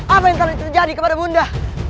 apa yang terjadi kepada bunda